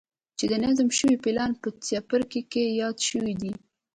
چې د تنظيم شوي پلان په څپرکي کې يادې شوې دي.